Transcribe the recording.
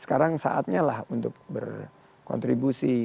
sekarang saatnya lah untuk berkontribusi